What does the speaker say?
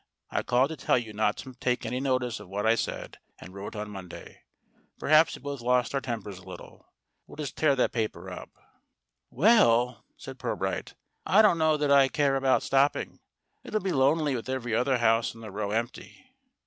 "I called to tell you not to take any notice of what I said and wrote on Monday. Perhaps we both lost our tempers a little. We'll just tear that paper up." "Well," said Pirbright, "I don't know that I care about stopping. It'll be lonely with every other house in the row empty."